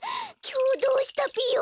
きょうどうしたぴよ？